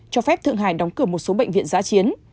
cho phép thượng hải đóng cửa một số bệnh viện giã chiến